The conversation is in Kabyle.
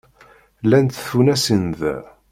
Llant tfunasin da.